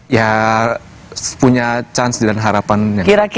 ya punya chance dan harapannya